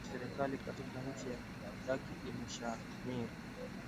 anasema udhibiti wa serikali katika nchi yake umeshamiri